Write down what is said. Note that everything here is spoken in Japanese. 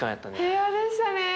平和でしたね。